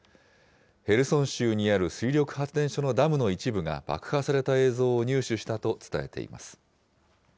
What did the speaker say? ヘルソン州にある水力発電所のダムの一部が爆破された映像を入手したと伝えています。